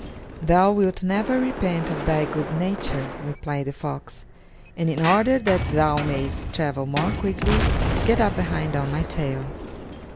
"Thou wilt never repent of thy good nature," replied the fox, "and in order that thou mayest travel more quickly, get up behind on my tail."